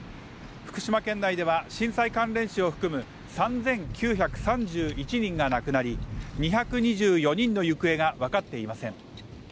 福島県内では震災関連死を含む３９３１人が亡くなり２２４人の行方が分かっていません